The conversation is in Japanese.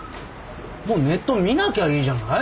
もうネット見なきゃいいじゃない。